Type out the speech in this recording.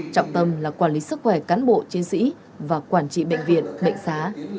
trọng tâm là quản lý sức khỏe cán bộ chiến sĩ và quản trị bệnh viện bệnh xá